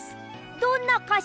どんなかし？